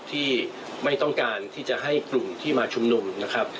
ที่ไม่ต้องการที่จะให้กลุ่มที่มาชุมนุมนะครับ